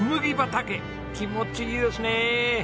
気持ちいいですね。